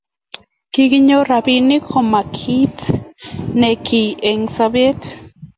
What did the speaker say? Kenyor rapisyek ko ma kiit inekey eng' sopet.